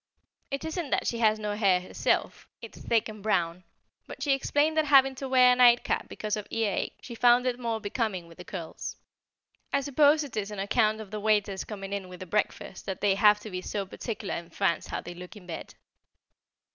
It isn't that she has no hair herself, it's thick and brown; but she explained that having to wear a nightcap because of ear ache, she found it more becoming with the curls. I suppose it is on account of the waiters coming in with the breakfast that they have to be so particular in France how they look in bed.